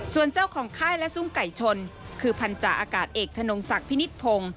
ส่วนเจ้าของค่ายและซุ่มไก่ชนคือพันธาอากาศเอกธนงศักดิ์พินิษฐพงศ์